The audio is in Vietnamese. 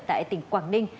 tại tỉnh quảng ninh